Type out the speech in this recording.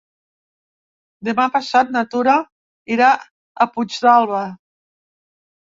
Demà passat na Tura irà a Puigdàlber.